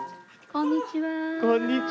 こんにちは。